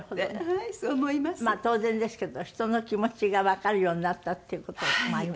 まあ当然ですけど人の気持ちがわかるようになったっていう事まあありますよね。